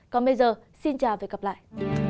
còn bây giờ xin chào và hẹn gặp lại